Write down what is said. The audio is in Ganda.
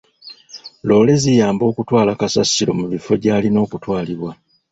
Loore ziyamba okutwala kasasiro mu bifo gy'alina okutwalibwa.